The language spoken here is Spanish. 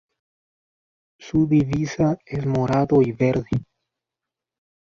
Su divisa es Morado y Verde.